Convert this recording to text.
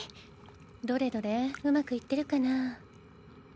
どれどれうまくいってるかな？